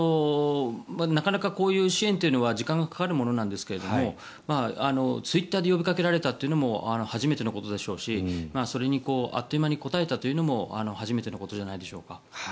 なかなかこういう支援というのは時間がかかるものなんですがツイッターで呼びかけられたというのも初めてのことでしょうしそれにあっという間に応えたというのも初めてのことじゃないでしょうか。